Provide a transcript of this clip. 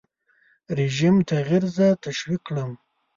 رژیم تغییر زه تشویق کړم.